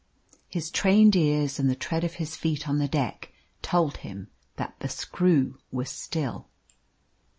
His trained ears and the tread of his feet on the deck told him that the screw was still.